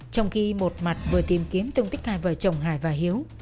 trong khi một mặt vừa tìm kiếm thông tin hai vợ chồng hải và hiếu